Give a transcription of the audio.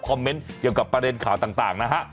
เมนต์เกี่ยวกับประเด็นข่าวต่างนะฮะ